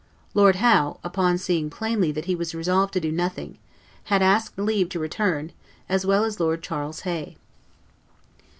Lord Howe, upon seeing plainly that he was resolved to do nothing, had asked leave to return, as well as Lord Charles Hay.